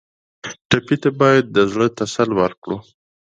ټپي ته باید د زړه تسل ورکړو.